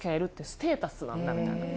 「ステータスなんだ」みたいなん